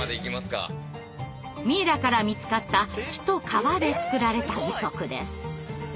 ミイラから見つかった木と皮で作られた義足です。